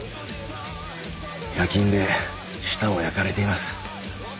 焼き印で舌を焼かれています。